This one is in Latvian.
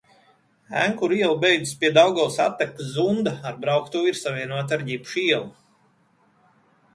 Enkura iela beidzas pie Daugavas attekas Zunda, ar brauktuvi ir savienota ar Ģipša ielu.